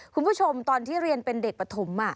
คุณผู้ชมตอนที่เรียนเป็นเด็กปฐม